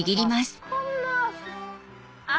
こんな。